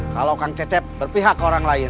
kalau kang cecep berpihak ke orang lain